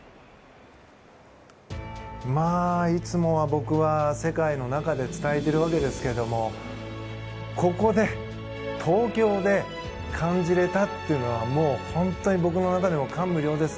いつもは僕は世界の中で伝えているわけですがここで東京で感じられたというのは本当に僕の中でも感無量です。